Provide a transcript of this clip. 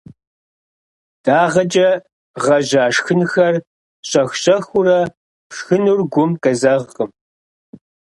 Дагъэкӏэ гъэжьа шхынхэр щӏэх-щӏэхыурэ пшхыныр гум къезэгъкъым.